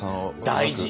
大事。